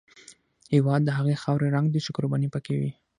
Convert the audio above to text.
هېواد د هغې خاورې رنګ دی چې قرباني پکې وي.